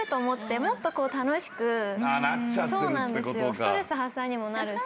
ストレス発散にもなるし。